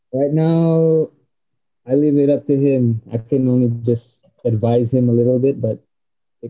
saat ini aku tinggal di atas dia aku hanya bisa mengasihkan dia sedikit sedikit tapi itu dari aidan